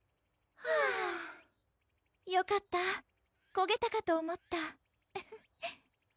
ふぅよかったこげたかと思った